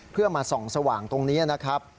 เพื่อมาส่องสว่างตรงนี้นะครับ